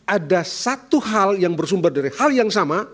ada satu hal yang bersumber dari hal yang sama